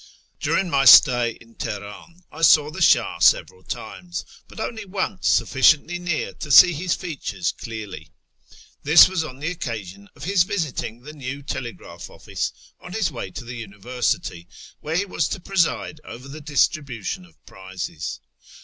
During my stay in Teheran I saw the Shah several times, but only once sufficiently near to see his features clearly. This was on the occasion of his visiting the new telegraph office on his w^ay to the University, where he was to preside over the distribution of prizes.